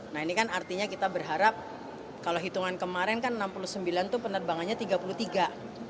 nah ini kan artinya kita berharap kalau hitungan kemarin kan enam puluh sembilan itu penerbangannya tiga puluh tiga